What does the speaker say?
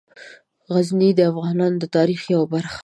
غزني د افغانانو د تاریخ یوه برخه ده.